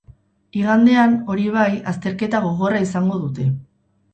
Igandean, hori bai, azterketa gogorra izango dute.